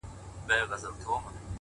ما به ولي کاروانونه لوټولاى!.